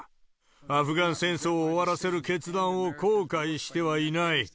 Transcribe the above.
アフガン戦争を終わらせる決断を後悔してはいない。